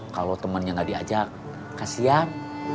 kalau temennya enggak diajak kasiam